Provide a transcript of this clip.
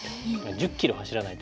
１０キロ走らないといけない。